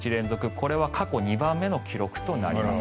これは過去２番目の記録となります。